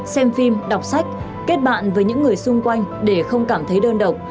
xem phim đọc sách kết bạn với những người xung quanh để không cảm thấy đơn độc